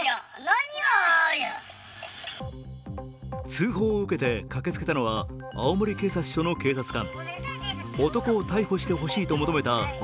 通報を受けて駆けつけたのは青森警察署の警察官。